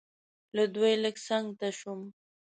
له دوی لږ څنګ ته شوم.